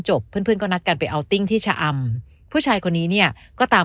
เพื่อนเพื่อนก็นัดกันไปเอาติ้งที่ชะอำผู้ชายคนนี้เนี่ยก็ตาม